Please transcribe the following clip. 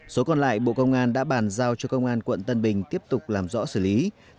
số còn lại bộ công an đã bàn giao cho công an quận tân bình tiếp tục làm rõ xử lý